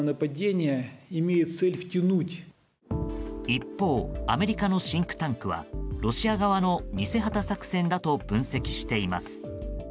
一方アメリカのシンクタンクはロシア側の偽旗作戦だと分析しています。